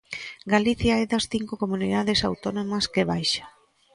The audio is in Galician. Galicia é das cinco comunidades autónomas que baixa.